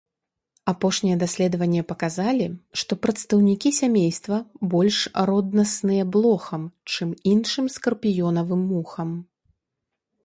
Апошнія даследаванні паказалі, што прадстаўнікі сямейства больш роднасныя блохам, чым іншым скарпіёнавым мухам.